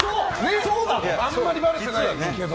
あんまりばれてないけど。